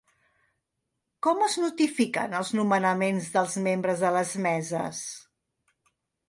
Com es notifiquen els nomenaments dels membres de les meses?